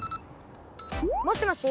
もしもし？